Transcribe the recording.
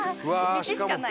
道しかない。